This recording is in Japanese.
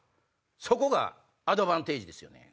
そこがアドバンテージですよね